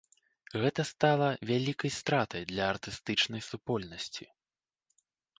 Гэта стала вялікай стратай для артыстычнай супольнасці.